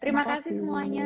terima kasih semuanya